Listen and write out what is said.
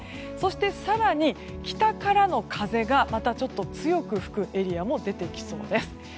そして、更に北からの風がまた強く吹くエリアも出てきそうです。